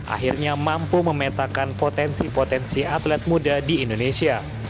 akhirnya mampu memetakan potensi potensi atlet muda di indonesia